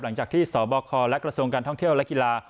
หลังจากที่สบคและกระทรวงการท่องเที่ยวและกีฬา